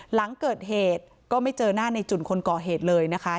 หลังเกิดเหตุก็ไม่เจอหน้าในจุ่นคนก่อเหตุเลยนะคะ